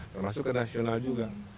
termasuk ke nasional juga